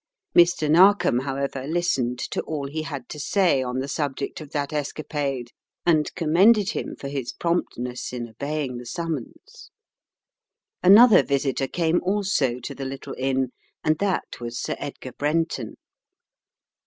Mr. Narkom, however, listened to all he had to say on the subject of that escapade and commended him for his promptness in obeying the summons. Another visitor came also to the little inn, and that was Sir Edgar Brenton.